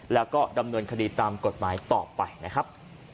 แล้วก็ดำเนินคดีตามกฎหมายต่อไปนะครับ